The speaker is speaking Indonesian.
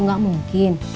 itu gak mungkin